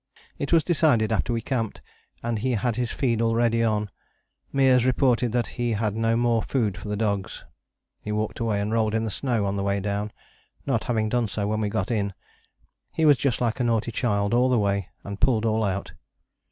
"It was decided after we camped, and he had his feed already on: Meares reported that he had no more food for the dogs. He walked away, and rolled in the snow on the way down, not having done so when we got in. He was just like a naughty child all the way, and pulled all out.